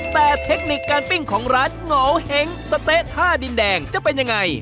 แต่เทคนิคการปิ้งของร้านเหงาเห้งสะเต๊ะท่าดินแดงจะเป็นยังไง